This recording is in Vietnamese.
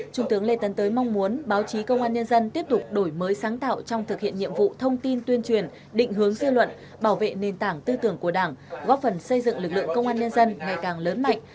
trung tướng lê tấn tới mong muốn báo chí công an nhân dân tiếp tục đổi mới sáng tạo trong thực hiện nhiệm vụ thông tin tuyên truyền định hướng dư luận bảo vệ nền tảng tư tưởng của đảng góp phần xây dựng lực lượng công an nhân dân ngày càng lớn mạnh